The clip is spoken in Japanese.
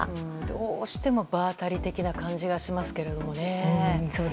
どうしても場当たり的な感じがしますけどね。